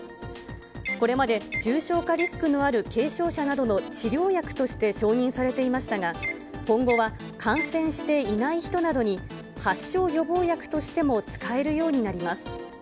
これまで重症化リスクのある軽症者などの治療薬として承認されていましたが、今後は感染していない人などに発症予防薬としても使えるようになります。